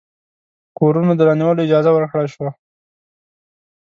کورونو د رانیولو اجازه ورکړه شوه.